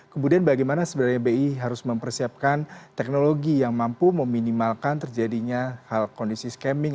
kemudian bagaimana sebenarnya bi harus mempersiapkan teknologi yang mampu meminimalkan terjadinya hal kondisi scaming